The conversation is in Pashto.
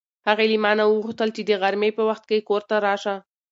هغې له ما نه وغوښتل چې د غرمې په وخت کې کور ته راشه.